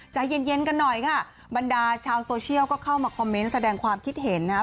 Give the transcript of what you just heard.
ใจเย็นเย็นกันหน่อยค่ะบรรดาชาวโซเชียลก็เข้ามาคอมเมนต์แสดงความคิดเห็นนะครับ